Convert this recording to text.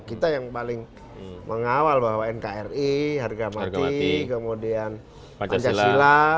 kita yang paling mengawal bahwa nkri harga mati kemudian pancasila